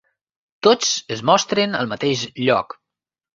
Tots es mostren al mateix lloc.